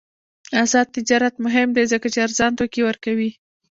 آزاد تجارت مهم دی ځکه چې ارزان توکي ورکوي.